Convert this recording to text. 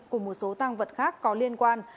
cùng một số tăng vật khác có liên quan